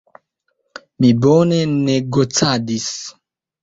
Mi bone negocadis.